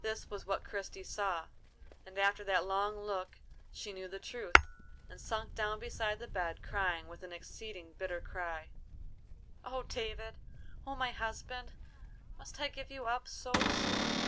This was what Christie saw, and after that long look she knew the truth, and sunk down beside the bed, crying with an exceeding bitter cry: "O David, O my husband, must I give you up so soon?"